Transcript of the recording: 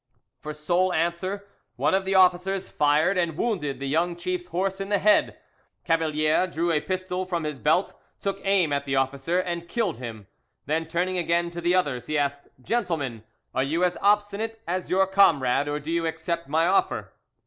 For sole answer, one of the officers fired and wounded the young chief's horse in the head. Cavalier drew a pistol from his belt, took aim at the officer and killed him, then turning again to the others, he asked, "Gentlemen, are you as obstinate as your comrade, or do you accept my offer?"